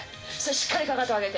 しっかりかかと上げて。